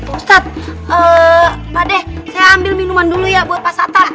ustadz pak deh saya ambil minuman dulu ya buat pak satta